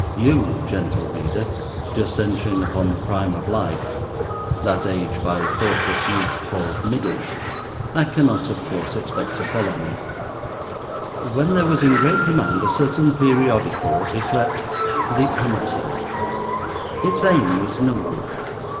You, gentle Reader, just entering upon the prime of life, that age by thoughtless youth called middle, I cannot, of course, expect to follow me—when there was in great demand a certain periodical ycleped The Amateur. Its aim was noble.